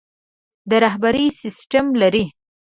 د رهبري سسټم لري.